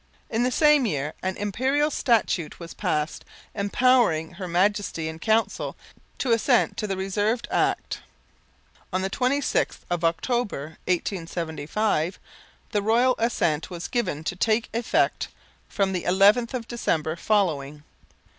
In the same year an Imperial Statute was passed empowering Her Majesty in Council to assent to the reserved Act. On the 26th of October, 1875, the Royal assent was given to take effect from the 11th of December following.